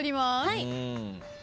はい。